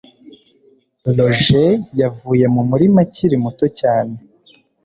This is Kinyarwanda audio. Roger yavuye mu murima akiri muto cyane